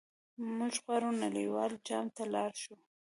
موږ غواړو نړیوال جام ته لاړ شو.